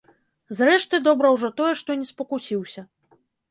Зрэшты, добра ўжо тое, што не спакусіўся.